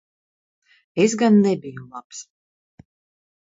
Es gan nebiju labs.